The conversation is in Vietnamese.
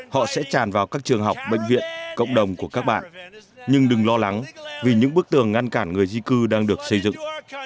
họ sẽ tràn vào các trường học bệnh viện cộng đồng của các bạn nhưng đừng lo lắng vì những bức tường ngăn cản người di cư đang được xây dựng